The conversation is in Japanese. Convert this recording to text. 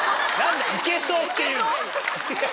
いけそうって言うな。